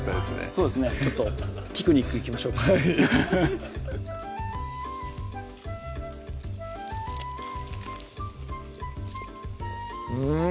そうですねちょっとピクニック行きましょうかハハハうん！